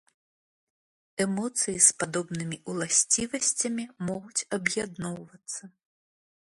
Эмоцыі з падобнымі уласцівасцямі могуць аб'ядноўвацца.